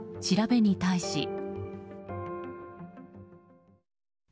調べに対し。